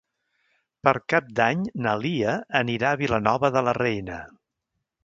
Per Cap d'Any na Lia anirà a Vilanova de la Reina.